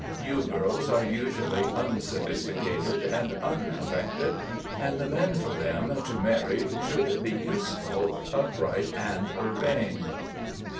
U girls are usually Unsophisticated and Unaffected, and the men for them to marry should be Useful, Upright, and Urbane.